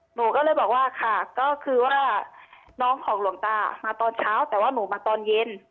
หนูก็เลยบอกว่าค่ะก็คือว่าน้องของหลวงตามาตอนเช้าแต่ว่าหนูมาตอนเย็น